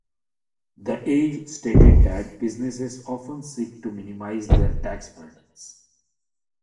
The Edge stated that businesses often seek to minimise their tax burdens.